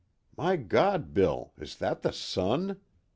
"My God, Bill, is that the sun?"